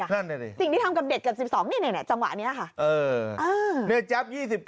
นั่นสิ่งที่ทำกับเด็กกับ๑๒หรือไหมจังหวะนี้นะคะ